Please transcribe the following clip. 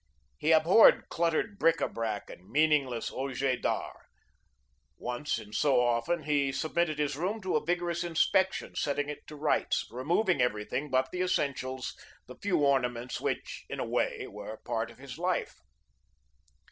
He abhorred cluttered bric a brac and meaningless objets d'art. Once in so often he submitted his room to a vigorous inspection; setting it to rights, removing everything but the essentials, the few ornaments which, in a way, were part of his life.